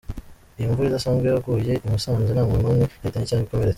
Iyi mvura idasanzwe yaguye i Musanze nta muntu n’umwe yahitanye cyangwa ikomeretse.